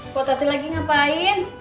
kok tadi lagi ngapain